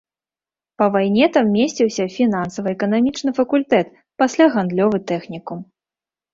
Па вайне там месціўся фінансава-эканамічны факультэт, пасля гандлёвы тэхнікум.